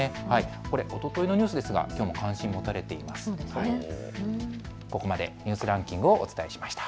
これ、おとといのニュースですがきょうも関心、持たれていました。